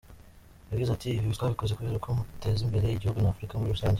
Yagize ati “Ibi twabikoze kubera uko muteza imbere igihugu na Afurika muri rusange.